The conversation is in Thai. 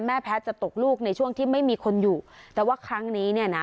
แพทย์จะตกลูกในช่วงที่ไม่มีคนอยู่แต่ว่าครั้งนี้เนี่ยนะ